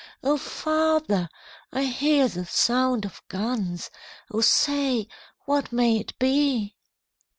'O father! I hear the sound of guns, O say, what may it be?'